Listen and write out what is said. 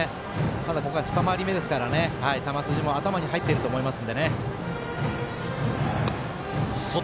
ただ、ここは２回り目ですから球筋、頭に入っていると思います。